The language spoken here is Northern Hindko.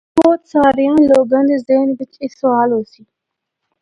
بہت ساریاں لوگاں دے ذہن بچ اے سوال ہوسی۔